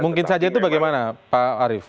mungkin saja itu bagaimana pak arief